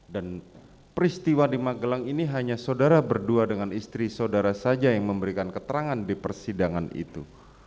dan peristiwa di magelang ini hanya saudara berdua dengan istri saudara saja yang memberikan keterangan di persidangan itu